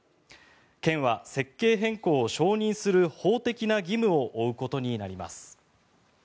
県は設計変更を承認する法的な義務を負うことになります。